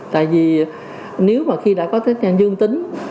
tại vì nếu mà khi đã có test nhanh dương tính